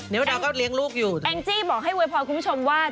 เดี๋ยวดาวก็เลี้ยงลูกอยู่แองจี้บอกให้โวยพรคุณผู้ชมว่า